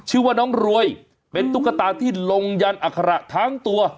ชื่อว่าน้องรวยเป็นตุ๊กตาที่ลงยันอัคระทั้งตัว